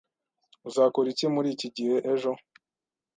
Uzakora iki muri iki gihe ejo?